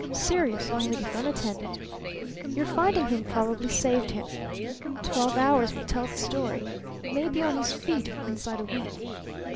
Serious only if unattended. Your finding him probably saved him. Twelve hours will tell the story. May be on his feet inside a week.